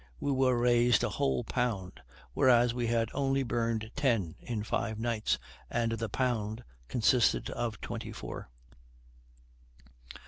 We were raised a whole pound, whereas we had only burned ten, in five nights, and the pound consisted of twenty four.